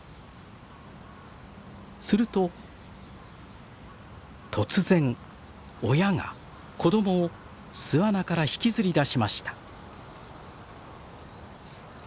すると突然親が子供を巣穴から引きずり出しました。